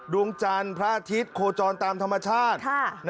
ดวงจันทร์พระอาทิตย์โคจรตามธรรมชาติ